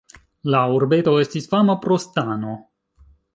La urbeto estis fama pro stano.